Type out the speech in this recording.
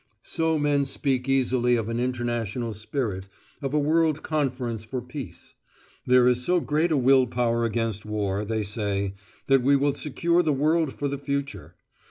So men speak easily of an international spirit, of a world conference for peace. There is so great a will power against war, they say, that we will secure the world for the future.